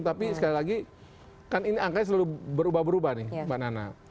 tapi sekali lagi kan ini angkanya selalu berubah berubah nih mbak nana